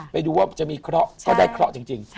ไปดูว่าจะมีเคราะห์ก็ได้เคราะห์จริง